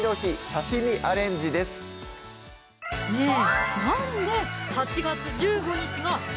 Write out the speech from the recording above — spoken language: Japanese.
刺身アレンジ」ですねぇ